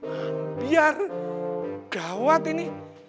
hampir gawat ini